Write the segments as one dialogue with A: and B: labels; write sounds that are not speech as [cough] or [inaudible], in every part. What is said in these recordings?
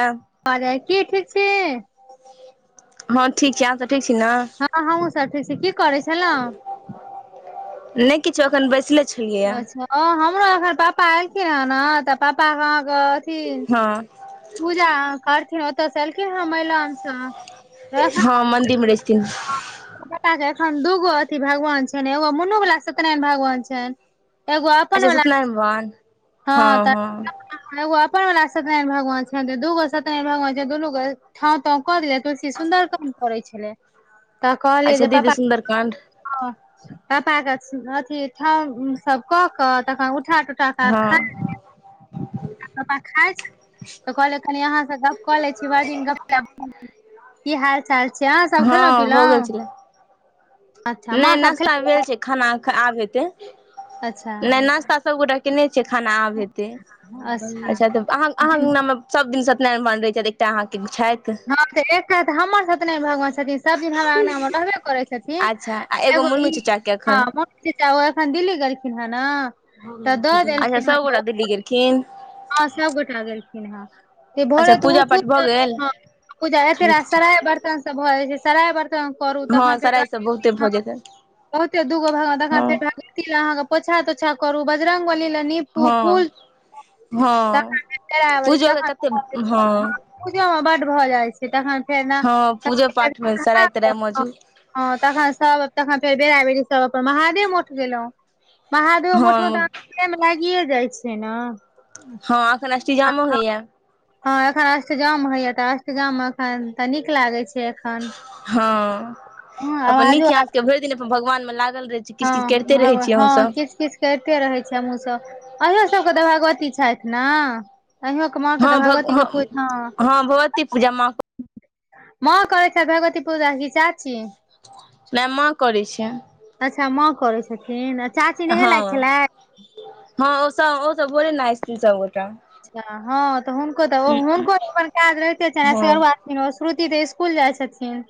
A: त
B: [inaudible] की ठीक छी।
A: हँ ठीक छी आह सब ठीक छी ने?
B: हँ हमहूँ सब ठीक छी की करै छलौं।
A: नहि किछो एखन बैसले। छलियैए
B: अच्छा ओ हमरो एखन पापा एलखिन हें ने तऽ पापा के अहाँके अथि
A: हँ।
B: पूजा करथिन ओत‌ से एलखिन हे मईलान सँ।
A: हँ मन्दिर मे रहै छथिन।
B: पप्पा के एखन दूगो अथी भगवान छनि एगो मुनू वला सत्यनारायण भगवान छनि। एगो अपन
A: अच्छा
B: वला
A: सतनारायण भगबान।
B: हँ तऽ। एगो अपन वला सत्यारायण भगवान छेन दूगो सत्यनाराय भगवान छेन दुनू गो ठाव ताव कऽ देलया तुलसी सुन्दर काम करै छलै तऽ कहलियै
A: अच्छा
B: जे
A: दीदी
B: पापा
A: सुन्दरकाण्ड
B: ओ पप्पा के अथी ठांउ सब कऽक तखन उठा तुठा क।
A: हँ।
B: पापा खाइ छैथ तऽ कहलियै कनि अहाँ सँ गप कऽ लै छी भैर दिन गप्प नै भेल। की हाल चाल छै अहां सब खेलहुं
A: हँ भऽ गेल
B: पिलहुं?
A: छलै नहि नाश्ता
B: खेल
A: भेल छै खाना ख आब हेतै।
B: अच्छा
A: नहि नाश्ता सभ गोटा केने छियै खाना आब हेतै। अच्छा तऽ आहाँ आहाँ अंगना मे सब दिन सत्यनारायण भगबान रहै छथि एकटा अहाँके छैथ।
B: हॅं एकटा तऽ हमर सत्यनारायण भगबान छथिन सब दिन हमरा अंगना मे रहबे करै- छथिन
A: अच्छा आ
B: एगो
A: मुन्नू
B: इ
A: चाचा के
B: हँ
A: एखन
B: मोनू च्चा ओ एखन दिल्ली गेलखिन हें नऽ।
A: हँ अच्छा सबगोरा दिल्ली गेलखिन।
B: हँ सबगोटा गेलखिन हें।
A: अच्छा
B: भोरे तऽ
A: पूजा
B: उठु
A: पाठ भऽ
B: तऽ
A: गेल
B: हँ पूजा हेतेै रे सराय बर्तन सब भऽ जाय छै सराय बर्तन। करू
A: हँ
B: तखन फेर
A: सराइ सब बहुते
B: [unintelligible] हँ
A: भऽ जेतै
B: बहुते दूगो भगबान तखन
A: हँ
B: फेर केलक। लए आहाँके पोछ तोछा करू बजरंग बली लग नीपू
A: हँ
B: फूल-
A: हँ
B: तखन फेर पेराबरी
A: पूजो के
B: तखन
A: कते हँ।
B: पूजो मे बड भऽ जा छै तखन फेर न
A: हँ
B: नहा
A: पूजो पाठ मे सराय तराय
B: कऽ।
A: मौजूद
B: हॅं तखन सब तखन फेर बेरा बेरी सब अपन महादेव मठ गेलौ। महादेबो मठ में ते आहाँ
A: हँ
B: के तऽ टाइम लागिये जाय छै नऽ।
A: हँ एखन अष्टजामो होइया।
B: हँ एखन अष्टजाम होइया तऽ अष्टजाम में एखन तऽ नीक लागै छै। एखन
A: हँ
B: हँ
A: अपन
B: आवाजो
A: नीक ये
B: आ
A: आहाॅं सब के भैर दिन अपन भगवान मे लागल रहै। छी किछ-किछ कैरते रहै छी आहाँ सब-
B: कैरते रहै छी हमहुॅं सब अहिंयो सबके तऽ भगवती छैथ नऽ? अंहिके माँ के
A: हँ
B: तऽ
A: भग हँ
B: भगवतीके पू हँ।
A: भगवती पूजा माँ
B: माॅं करै छैथ भगबती पूजा कि चाची?
A: नै माँ करै छैय।
B: अच्छा माँ करै छथिन आ चाची
A: हँ
B: नेहेलैथ खेलैथ?
A: हँ ओ सब ओ सब भोरे नहाय छथिन सब गोटा।
B: हँ तऽ हुनको तऽ हुनको तऽ अपन काज रहिते छैन
A: हँ
B: सेहो- [unintelligible] श्रुति तऽ स्कूल जाय छथिन?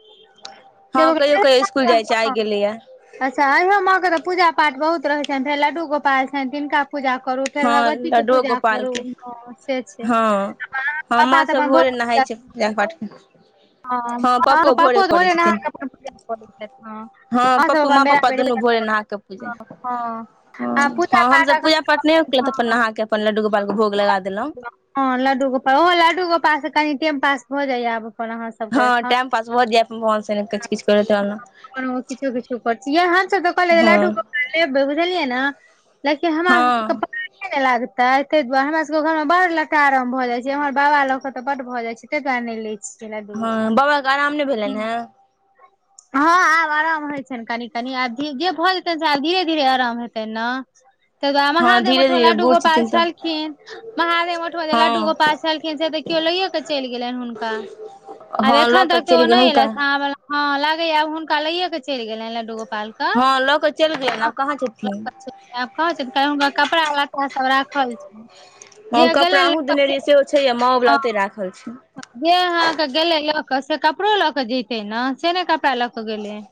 A: हँ कहियो- कहियो स्कूल जाय छैय आय
B: से
A: गेलैया।
B: अच्छा अयो माॅं के तऽ पूजा पाठ बहुत रहेै छैन फेर लड्डूगोपाल छैन तिनका पूजा। करू फेर
A: हँ
B: भगवती के
A: लड्डुओ
B: पूजा
A: गोपाल
B: करू।
A: के
B: हँ से छै
A: हँ
B: आहाँ पापा
A: हमा
B: तऽ
A: सब
B: अपन भोरे
A: नहाय
B: पूजा।
A: छै
B: [unintelligible]
A: [unintelligible]
B: हँ आहाॅं के
A: पप्पो
B: पापो तऽ
A: करै
B: भोरे नहा
A: छथिन
B: के अपन पूजा करै छैथ हँ
A: हँ
B: आहाॅं सब
A: पप्पो माँ
B: अपन बेरा
A: पप्पा
B: बेरी
A: दुनू
B: पूजा
A: भोरे नहा
B: करैत।
A: कऽ पूजा
B: हँ हँ।
A: हँ
B: आ पूजा
A: हँ
B: पाठ
A: हमसब पूजा पाठ
B: एखन
A: नहि केलौ तऽ अपन
B: हँ
A: नहाके अपन लड्डू गोपाल के भोग लगा देलौ।
B: हँ लड्डू गोपाल ओहो लड्डू गोपाल से कनि टाइम पास भऽ जाइया आब अपन आहाँ स।
A: हँ टाइम पास भऽ जेएत भगवान सने किछ -किछ करैत रहलौ।
B: कोनो [unintelligible] सब के कहलियै लड्डू गोपाल लेबैय बुझलियै न लेकिन हमरा सब के।
A: हँ
B: [unintelligible] नै ने लागतेै तैय दुआरे हमरा सब के घर मे बड लतटारम भऽ जाय छै हमर बाबा लऽ के तऽ बड भऽ जाय छै तैय दुआरे नै लेै।
A: हँ बाबाके आराम नै भेलैन हेँ?
B: हँ आब आराम होय छैन कनि -कनि आब जे भऽ जेतनि से आब धीरे धीरे आराम हेतैन नऽ। तैय दुआरे
A: हँ धीरे
B: महादेवमठ मे
A: धीरे
B: लड्डू
A: बूढ़
B: गोपाल
A: छथिन तऽ
B: छेलखिन। महादेव मठमे जे लड्डू
A: हँ
B: गोपाल छेलखिन से तऽ केओ लैये केऽ चैल गेलैन हुनका ‌। आब
A: हँ लऽ
B: एखन
A: कऽ
B: तक के
A: चलि
B: ओ
A: गेल
B: नैं
A: हुनका
B: एलैथ हँ लागेया आ हुनका लैये के चैल गेलैन लड्डू गोपाल। के
A: हँ लऽ कऽ चैल गेलै
B: हँ
A: आब
B: हँ
A: कहाँ छथिन।
B: लटकल छै, आब कहा छै हुनकर कपड़ा लत्ता सब राखल छैय।
A: हँ कपड़ा अहूँ देने रहियै सेहो छै हे
B: हँ
A: माँवाला ओतै राखल छैय।
B: जे आहाँके गेलैय लऽ कऽ से कपड़ो लऽ कऽ जैतैय नऽ से ने कपड़ा लऽ क गेलैय।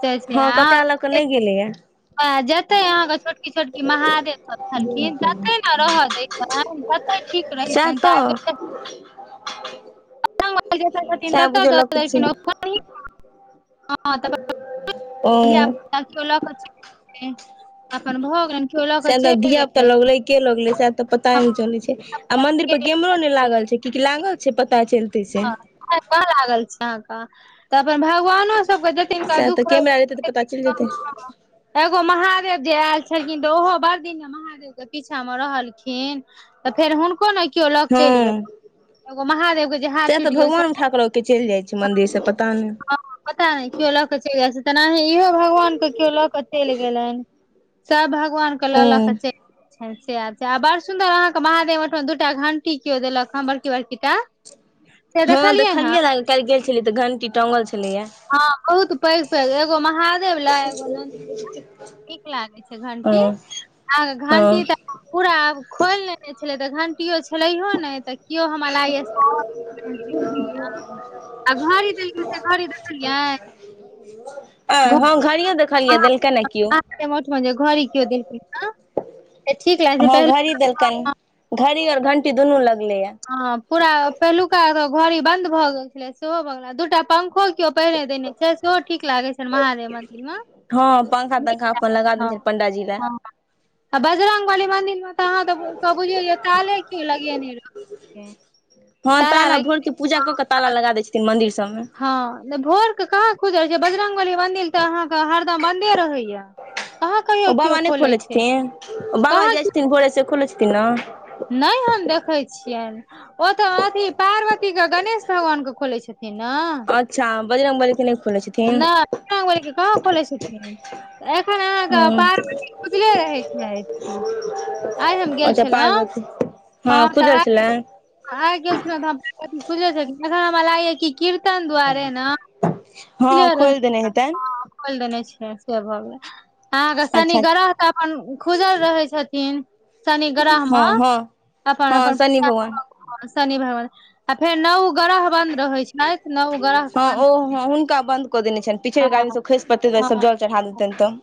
B: से छै
A: हँ
B: आव
A: कपड़ा
B: [unintelligible]
A: [unintelligible]
B: आ जते अहाँके छोटकी छोटकी महादेव सब छलखिन तते ने रहऽ दैतनि। तते ठीक
A: सएह
B: रहितैन महादेव।
A: [unintelligible]
B: [unintelligible] छथिन
A: सएह
B: ततऽ
A: बुझियौ
B: द‌ऽ
A: लऽके छै
B: देलखिन।
A: ओ
B: [unintelligible] धिया पुता किलो लके अपन भोग हैन ‌।
A: सेल ने धिया पुता लगले के लगले सह तऽ पताए नैं चलैय छैं। आ मंदिर पर केमरो
B: हँ
A: नहि लागल छै कि लागल छैय पता चलतैय से।
B: कह लागल छी अहाँके। तऽ अपन भगवानो सबके दु तीनठा
A: सएह तऽ
B: दुःख रहैय
A: कैमरा रहतै तऽ
B: त
A: पता चलि
B: हां
A: जेतै
B: हां। [unintelligible] एगो महादेव जे आयल छलखिन तऽ ओहो बड़ दिन महादेव। पीछा में रहलखिन तऽ फेर हुनको ने क्यों लग चलि गेलैन।
A: सा तऽ
B: गेल छल
A: भगवान उठा के चलि जाइ छै, मंन्दिर से पता नैय ‌।
B: पता नहि क्यों लऽ केऽ चलि जाइ छै तेनाही इहो भगवान के क्यों लक चलि गेलनि। सब भगवान के
A: ओ
B: ललक चलि गेलैन। सेचा बड़ सुन्दर अहाँके महादेव ओहिठमा दूटा घंटी क्यों देलक बडकी बडकी। टा। से
A: हँ
B: हँ
A: देखलियै काल्हि गेल छलियै तऽ घंटी टंगल छलैया।
B: हँ बहुत पैघ पैघ एगो महादेव ला एगो नन्दी ला।
A: [unintelligible]
B: नीक लागै छै
A: हँ
B: घंटी आहा घंटी
A: हँ
B: तऽ। पूरा आब खोलि लने छलै तऽ घंटियो छलैहो नैं तऽ केओ हमरा लागय
A: [unintelligible]
B: आ घड़ी देलकै से घड़ी देखलियै
A: अ हँ घड़ियों देखलियैन देलकैन ने कियो।
B: मोठ में घड़ी कीओ देलखिन हॅं। से ठीक। [unintelligible]
A: हँ घड़ी देल्कन घड़ी और घंटी दुनू लगले ये
B: ह पूरा पहिलुका घड़ी बंद भऽ गेल छले सेहो भऽ गेल दूटा पंखो क्यों पहिने देने छै सेहो ठीक लागे छै महादेव मंदिर में
A: हँ पंखा तंखा अपन लगा देने छै पंडाजी लए।
B: हँ आ बजरंगग बली मंन्दिर मे [unintelligible] ताले को लगिय
A: हँ ताला भोर के पूजा कऽ के ताला लगा दय छथिन मंदिर सबमे।
B: हँ भोर के कहाँ खुजल छै बजरंगबली मंदिर तऽ अहाँके हरदम बन्दे रहैया। कहाँ
A: ओ
B: कहियो
A: बाबा
B: केओ
A: नहि
B: खोले
A: खोलै
B: छै
A: छथिन ओ बाबा जाइ छथिन भोरेसँ खोलै छथिन न।
B: नय हम देखै छियनि ओ तऽ अथिी पार्वती के गणेश भगवान के खोलैत छथिन। तेना
A: अच्छा बजरंगबली
B: नहि बजरंगबली के कहाँ खोलै छथिन एखन
A: ह
B: अहके पार्वती खुजले रहै छैथ। आइ हम गेल
A: अच्छा
B: छलहुँ
A: पार्वती
B: हँ तऽ
A: खुजल
B: आइ
A: छलै
B: आ गेल छलिनऽुे छल एन हमरा लागया कि कीर्तन दुआरे ने
A: हँ
B: खुजले रहे
A: खोलि
B: छैन
A: देने हेतनि
B: ह हम खोल देने छियन से भोगेलन अहाँके शनि
A: अच्छा
B: ग्रह तऽ अपन खुजल रहे छथिन शनि ग्रह
A: हँ
B: मे।
A: हँ हँ शनि भगवान।
B: हँ शनि भगवान आ फेर नौ ग्रह बन्द रहै छै नौव ग्रह के
A: हँ
B: बन्द
A: ओ
B: रहै
A: हँ
B: छै।
A: हुनका बन्द कऽ देने छैन पीछैड़ कऽ आदमी सब खइस पड़तै तऽ सब
B: हँ
A: जल चढ़ा देतैन तऽ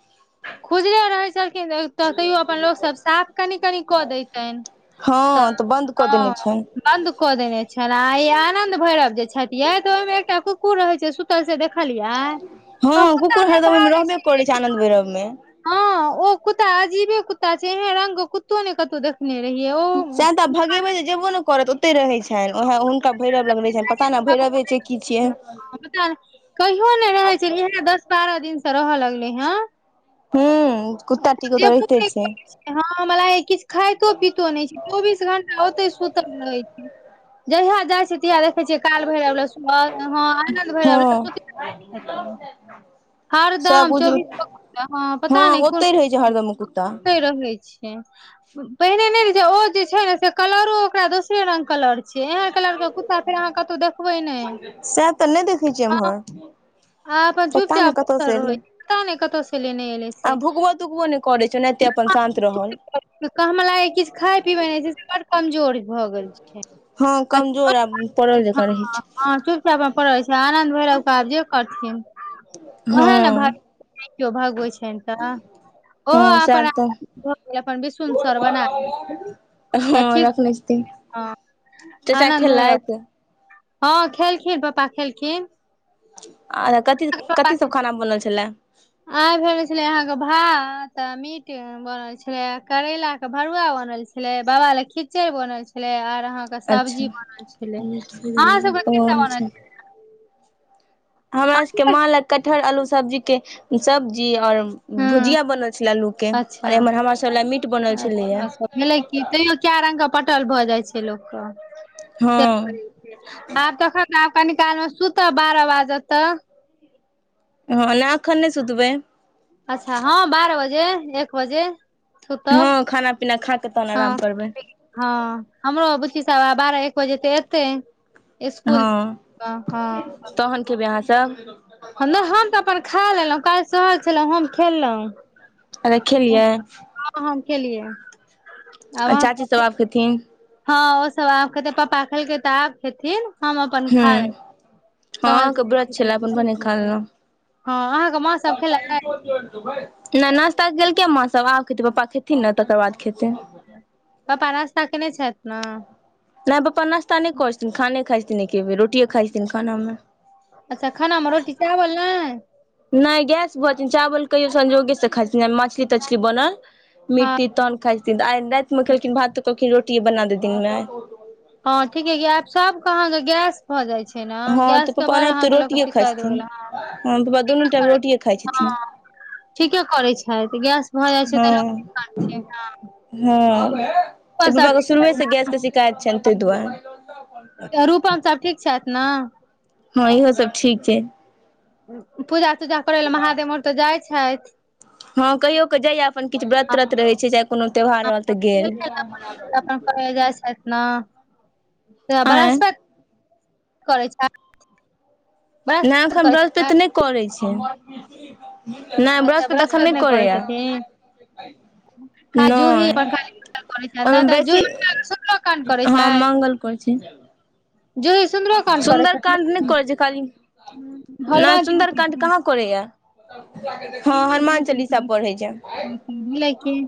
B: खुजले रहै छलखिन तऽ तऽ तैयो अपन लोकसभ साफ कनि-कनि कऽ दैयतैन तऽ
A: हँ बन्द कऽ देने
B: हँ।
A: छनि
B: बन्द कऽ देने छला आ ई आनंद भैरव जे छथिये तऽ ओयमे एकटा कुकुर रहै छै सूतल से दे खलियै कऽ कुत्ता नैय भागै छै यै कुत्ता
A: [unintelligible] में
B: हँ ओ कुत्ता अजीबे कुत्ता छै एह रंग कुत्तो नै कतौउ दे खने रहिए ओ
A: जै तऽ भगेबै नै जेब्बो नै करत ओ ते रहै छैन ओहै हुनका भैरव लग रहै छैन पता नै भैरवे छै की छियै।
B: [unintelligible] कहियो नै रहै छै इहने दस बारह दिन स रहऽ लगलै हँ
A: हूं।
B: [unintelligible] हँ हमा लागैया किछ खाइतो पितो नैय छै चौबीस घंटा ओतैय सुतल रहै छै। जहिया जाइ सितिया देखै छियै काल भैरव लग सुतल हँ आनन्द
A: हँ
B: भैरव [unintelligible]
A: [inaudible]
B: हर
A: सब
B: दम
A: बुझू
B: चौबीसो घंटा हँ पता नैय कोन
A: ओते रहै छै
B: [inaudible]
A: हरदम कुत्ता
B: ओतैय रहै छै। पहिने नैय रहै छै ओ जे छै न से कलरो ओकरा दोसरे रंग कलर से एहे कलरके कुत्ता फेर अहाँ कतौउ देखबै नैय
A: सएह तऽ नहि देखै छियै
B: [unintelligible]
A: एम्हर
B: आ अपन
A: पता नहि कतऽ
B: चुपचापतर
A: से
B: रहै
A: एलै
B: छै पता नै कतऽ स लेने एलै
A: आ
B: से।
A: भुकबो तुकबो नहि करै छै एनाहिते अपन शान्त रहल।
B: तऽ कऽ हमा लागैया किछ खाय पिबै नैय छै से बड़ कमजोर भऽ गेल छै
A: हँ कमजोर आ
B: [unintelligible]
A: पड़ल
B: हँ
A: जकाँ रहै
B: हँ ठीक [unintelligible] पड़ै छै आनन्द भैरव कऽ आब जे करथिन
A: छै हँ
B: ओएह न भै नै किओ भगवैन छैन। [unintelligible] ओहो
A: हँ सएह
B: आपर
A: तऽ
B: [unintelligible] अपन बिसुन सर बना [unintelligible]
A: हँ
B: तऽ ठीक
A: रखने छथिन
B: [unintelligible] हँ
A: चाचा
B: आनन्द भैया
A: खेलथि
B: हँ खेलखिन पप्पा खेलखिन।
A: आ कथी कथी सब खाना में बनल छलै?
B: आय भेल छेलैयै अहाँके भात आ मी मीट बनल छलैयै करैला कऽ भरुआ बनल छलै बाबा लै खिचैड़ बनल छलै आर तऽ अहाँके
A: अच्छा
B: सब्जी बनल छेलै अहाँ सबके की सब
A: ओहो छै
B: बनल
A: हमरा सबके माँ लै कटहर अल्लू सब्जी के सब्जी और
B: हँ
A: भुजिया बनल छलै अल्लूके
B: अच्छा
A: और एम्हर हमरा सभ लै मीट बनल छलैए।
B: किऐ रंग के पटल भऽ जाइ छै लोक कऽ।
A: हँ।
B: आब तखन आब कनी काल में सुतब बारह बाजत तऽ।
A: हँ नै एखन नैय सुतबै।
B: अच्छा हँ बारह बजे एक बजे। सुतब
A: हँ खाना-पीना खाकऽ तहन
B: हँ
A: अराम करबै।
B: हँ हमरो बुच्ची सब बारह एक बजे तऽ एतै इस्कूल स
A: हँ
B: हँ।
A: तहन खेबै अहाँसभ
B: नैय हम तऽ अपन खाय लेलहुँ काल्हि सहल छलहुॅं हम खेललहुँ।
A: आरे खेलियै।
B: हां हम खेलियै।
A: आ चाचीसभ आब खेथिन।
B: हां, ओ सब आब खेतै पापा खेलकै तऽ आब खेथिन हम अपन खाल
A: हां अहाॅं के व्रत छलाय अपन भने खालहुं।
B: हँ अहाँके माँ सब
A: दस टा
B: खेलक
A: इटो जोर देबै। नैय नाश्ता केलकै माँ सभ आब खेैतै पप्पा खेथिन ने तकर बाद खेतै।
B: पप्पा नास्ता केने छथि नैय
A: नैय पप्पा नाश्ता नैय करै छथिन, खाने खाइ छथिन एके बेेर रोटिए खाइत छथिन खानामे।
B: अच्छा खाना मे रोटी चावल नैय
A: नैय गैस भऽजऽ जैन, चावल कहियो संजोगेसे खाइ छथिन मछली-तछली बनल।
B: हँ
A: मीट-तीट तहन खाइ छथिन आइ रातिमे खयलखिन भात तऽ कहलखिन रोटि बना देथिनमे दिन में आइ
B: हां ठीक ये क आब सबके अहाँके गैस भऽ जाइ छैय नैय
A: हँ तऽ
B: गैस के बर अहाँके लऽ के शिकायत भए गेल हां।
A: हां पप्पा दुनू टाइम रोटिए खाइ छथिन।
B: ठीके करै छैथ, गैस भऽ जाइ छैय तऽ लोक की करथिन।
A: हां
B: रूपम सब
A: तऽ पप्पा के
B: ठीक
A: शुरुए
B: छथि
A: से गैस के शिकायत छनि ताहि दुआरे
B: रूपम सभ ठीक छथि नैय
A: हां इहो सब ठीक छैय।
B: पूजा-तूजा करै लए महादेव आर तऽ जाइ छथि।
A: हां कहियो कऽ जाइया अपन किछ व्रत-त्रत रहैय छैय, चाहे कुनू त्यौहार रहल तऽ गेल।
B: करे जाइ छथि नैय
A: आँय
B: वर्हस्पत करै छथि।
A: नैय
B: बृहस्पति
A: अखन
B: करै छथि
A: वर्हस्पत नैय करै छैय। नैय
B: अच्छा
A: बृहस्पत अखन
B: बृहस्पति
A: नैय करैया।
B: खाजू ही
A: नहि
B: अपन [unintelligible] छथि नहि
A: ओहिमे
B: तऽ
A: बेसी
B: जूही शुक्लो काण्ड करै
A: हां
B: छथि
A: मंगल करै छी।
B: जूही सुन्दरो काण्ड करै
A: सुन्दरकाण्ड नैय
B: छथिन
A: करैय छी खाली, नैय
B: हलवा जी
A: सुन्दरकाण्ड कहाँ करैया। हां हनुमान चालीसा पढ़ैय छैय।
B: हूॅं लैकिन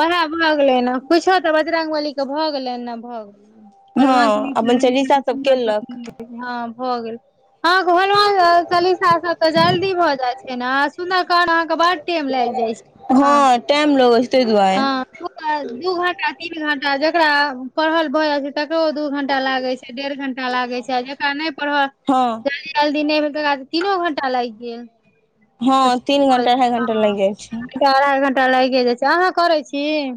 B: ओएह भऽ गेलै नैय कुछो तऽ बजरंगबली के भऽ गेलै नैय भऽ गेलै।
A: हँ
B: हनुमान चालीसा
A: अपन
B: एकटा के
A: सब केलक
B: सुन्दरकाण्ड हां भऽ गेल अहाॅं के हनुमान चलीसा सब त जल्दी भऽ जाय छैय। सुंदरकांड अहाॅं के बड्ड टेम लेग जाय छैय, हां।
A: हँ टाइम लगै छै ताहि दुआरे
B: तऽ दू घंटा, तीन घंटा जेकरा पढ़ल भऽ जाइ छैय। तकरो दू घंटा लागैय छैय, डेढ़ घंटा लागै छैय आ जेकरा नैय पढ़ल
A: हँ
B: जल्दी नैय भेल ते एकरा तीनो घंटा लागि गेल। तऽ
A: हां
B: से
A: तीन
B: भऽ
A: घंटा, अढ़ाइ घंटा लागि
B: जायत।
A: जाइ छैय।
B: अढ़ाइ घंटा लागे जाइ छैय, अहाँ करैय छी।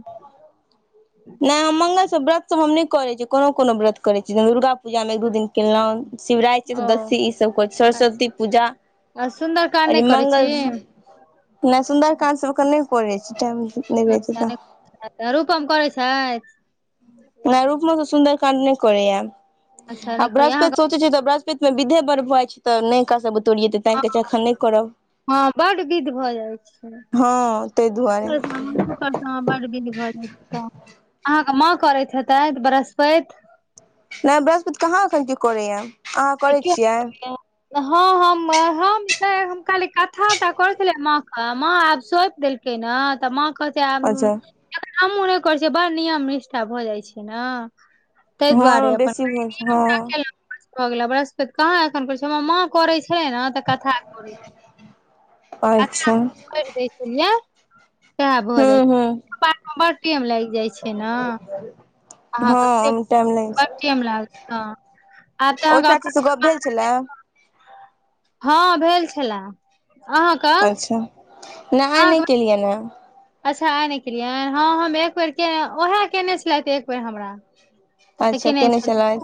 A: नैय हम मंगलसब व्रत सबऽ हम नैय करैय छी कोनो-कोनो व्रत करैय छी दुर्गा पूजामे एक दू दिन केलहुँ, शिवरात्रि,
B: ओ
A: चतुर्दशी ईसभ करै छी, सरस्वती
B: अच्छा
A: पूजा।
B: आ सुन्दरकाण्ड नैय करैय छी।
A: नैय
B: अच्छा
A: सुन्दरकाण्ड सब अखन नैय करै छी, टाइम नैय रहैय तऽ
B: अतऽ रूपम करैय छथि।
A: नै रूपमो तै सुन्दर काण्ड नै करै यै
B: अच्छा
A: आ
B: नहि करै अहाँ
A: ब्रस्पैत सोचे छीयै तऽ ब्रह पेत मे विधै बर भ जाए छै तऽ नै एकरा सब बुतै ओरयैते तैं कहै छै एखन नै करब
B: हां बड विध भऽ जाए
A: हँ ताहि
B: छै।
A: दुआरे
B: [unintelligible] हां बड बिध भऽ जाय छै तै अहाँ के मां करैत हेतै ब्रस्पैत।
A: नै ब्रस्पैत कहाँ एखन की करय यै, अहाँ करै छियै?
B: हां हम हम तै हम खाली कथा टा कहे छलिए माँ के मां आब सोप देल के ना तै मां कहय छै
A: अच्छा
B: आब हम्हुँ नै करै छियै बड़ नियम निष्ठा भऽ जाय छै नै।
A: हां-हां बेसी भ जाय छै हां।
B: भ गेलय ब्रस्पैत कहाँ एखन करय छीयै, हमर माँ करै छलै नै तऽ कथा करय छलिए, कथा
A: अच्छा
B: कह दै छैलिए सैह भऽ जाए
A: हूँ
B: छै,
A: हूँ
B: पूजो पाठ मे बड़ टैम लाएग जाए छै नै।
A: हां ओय मे टाइम लाएग
B: बड़
A: जाय
B: टेम लागत
A: छै।
B: हँ आब तऽ
A: ओ चाची से गप भेल छलै।
B: हां भेल छलैए अहाँ क
A: अच्छा नै आय नै केलियैन यै।
B: अच्छा आय नै केलिए ऐ हां हम एक बेर कै ओहे केने छलैथ एक बेर हमरा तऽ
A: अच्छा
B: केने
A: केनै
B: छल
A: छलैथ?